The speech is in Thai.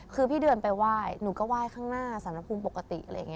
คือพี่เดือนไปไหว้หนูก็ไหว้ข้างหน้าสารมภูมิปกติ